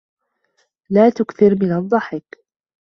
لَا تُكْثِرْ مِنَ الضَّحِكِ.